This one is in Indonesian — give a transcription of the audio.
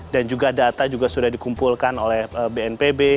dan juga data juga sudah dikumpulkan oleh bnpb